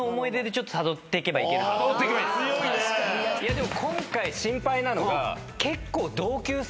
でも今回心配なのが結構。